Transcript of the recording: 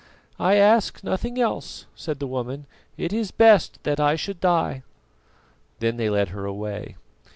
"I ask nothing else," said the woman. "It is best that I should die." Then they led her away.